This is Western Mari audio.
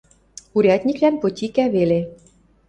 Урядниклӓн потикӓ веле.